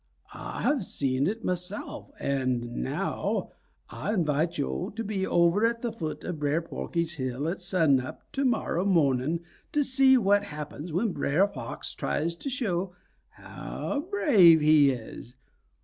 Ah have seen it mahself, and now Ah invites yo' to be over at the foot of Brer Porky's hill at sun up to morrow mo'ning and see what happens when Brer Fox tries to show how brave he is.